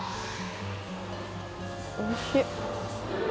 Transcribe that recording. おいしい。